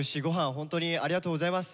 ホントにありがとうございます。